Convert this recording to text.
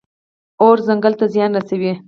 اور ځنګل ته زیان رسوي.